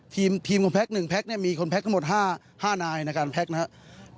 ทีมคนแพ็ค๑แพ็คเนี่ยมีคนแพ็คทั้งหมด๕นายในการแพ็คนะครับ